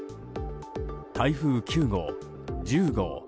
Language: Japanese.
台風９号、１０号。